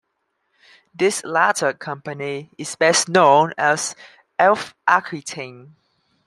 This latter company is best known as Elf Aquitaine.